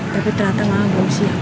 tapi ternyata maaf